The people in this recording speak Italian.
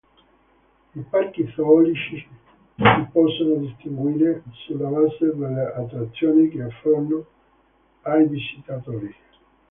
I parchi zoologici si possono distinguere sulla base delle attrazioni che offrono ai visitatori.